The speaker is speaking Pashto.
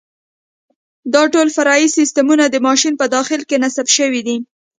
دا ټول فرعي سیسټمونه د ماشین په داخل کې نصب شوي دي.